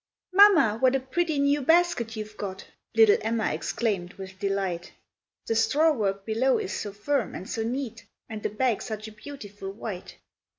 "Mamma, what a pretty new basket you've got," Little Emma exclaim'd with delight; "The straw work below is so firm and so neat, And the bag such a beautiful white."